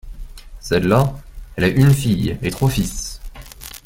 Celle-là elle a une fille et trois fils.